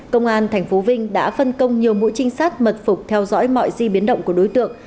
công an tp vinh đã phân công nhiều mũi trinh sát mật phục theo dõi mọi di biến động của đối tượng